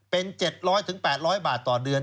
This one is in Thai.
เป็น๗๐๐๘๐๐บาทต่อเดือน